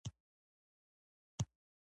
د کندهار انار تر یو کیلو پورې وزن لري.